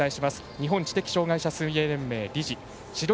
日本知的障害者水泳連盟理事。